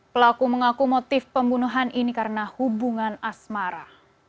pelaku mengaku motif pembunuhan ini karena hubungan asmara